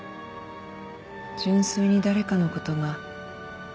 純粋に誰かのことが。